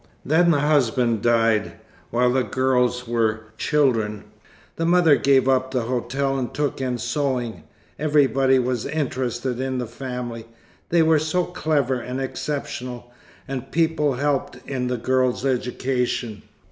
Then the husband died, while the girls were children. The mother gave up the hotel and took in sewing. Everybody was interested in the family, they were so clever and exceptional, and people helped in the girls' education.